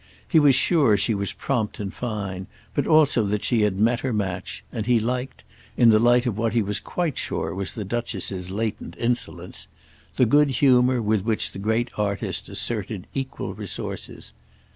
He was sure she was prompt and fine, but also that she had met her match, and he liked—in the light of what he was quite sure was the Duchess's latent insolence—the good humour with which the great artist asserted equal resources.